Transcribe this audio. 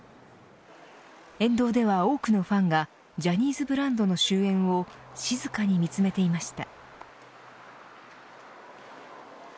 沿道では多くのファンがジャニーズブランドの終えんを静かに見つめていました。